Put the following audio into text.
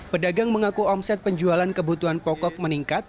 pedagang mengaku omset penjualan kebutuhan pokok meningkat